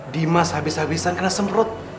dimas habis habisan kena semprot